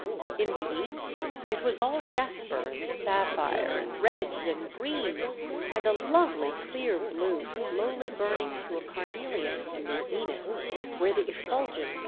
In the east it was all jasper and sapphire and reds and greens, and a lovely clear blue slowly burning to a carnelian in the zenith, where the effulgence THE DUTCHMEN OBTAIN REFRESHMENTS.